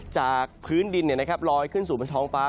จากพื้นดินลอยขึ้นสู่บนท้องฟ้า